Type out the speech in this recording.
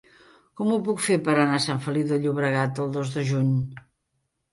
Com ho puc fer per anar a Sant Feliu de Llobregat el dos de juny?